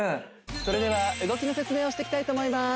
それでは動きの説明をしてきたいと思います